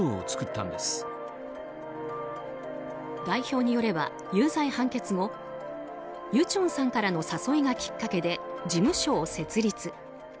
代表によれば、有罪判決後ユチョンさんからの誘いがきっかけで事務所を設立。